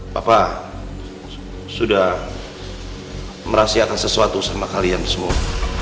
papa sudah merahsiakan sesuatu sama kalian semua